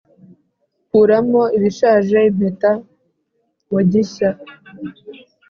kuramo ibishaje, impeta mu gishya,